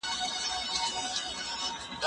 زه به سبزیجات تيار کړي وي